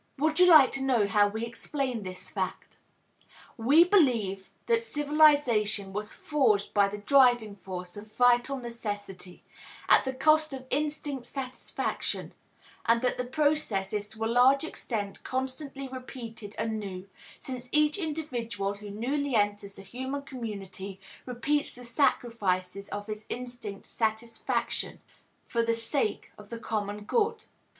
Would you like to know how we explain this fact? We believe that civilization was forged by the driving force of vital necessity, at the cost of instinct satisfaction, and that the process is to a large extent constantly repeated anew, since each individual who newly enters the human community repeats the sacrifices of his instinct satisfaction for the sake of the common good.